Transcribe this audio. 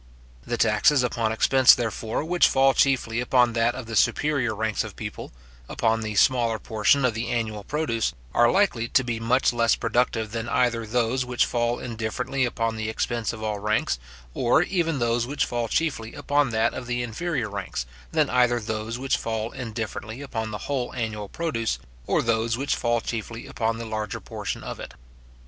The taxes upon expense, therefore, which fall chiefly upon that of the superior ranks of people, upon the smaller portion of the annual produce, are likely to be much less productive than either those which fall indifferently upon the expense of all ranks, or even those which fall chiefly upon that of the inferior ranks, than either those which fall indifferently upon the whole annual produce, or those which fall chiefly upon the larger portion of it.